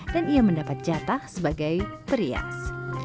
dan ia mendapat jatah sebagai perias